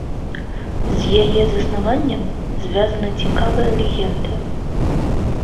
З яе заснаваннем звязана цікавая легенда.